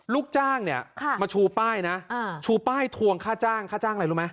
ลูกจ้างเนี่ยมาชูป้ายนะชูป้ายทวงค่าจ้างค่าจ้างอะไรรู้ไหม